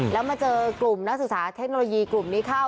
แล้วมาเจอกลุ่มนักศึกษาเทคโนโลยีกลุ่มนี้เข้า